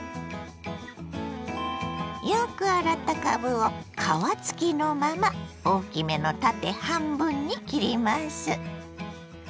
よく洗ったかぶを皮付きのまま大きめの縦半分に切ります。